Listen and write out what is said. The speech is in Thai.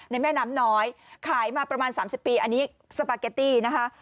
แม่น้ำน้อยขายมาประมาณ๓๐ปีอันนี้สปาเกตตี้นะคะ